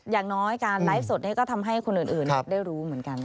อย่างน้อยการไลฟ์สดนี้ก็ทำให้คนอื่นได้รู้เหมือนกัน